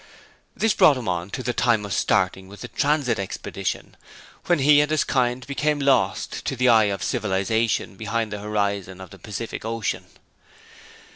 This brought him on to the time of starting with the Transit expedition, when he and his kind became lost to the eye of civilization behind the horizon of the Pacific Ocean.